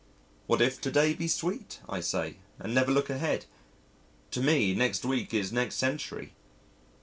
"What if to day be sweet," I say, and never look ahead. To me, next week is next century.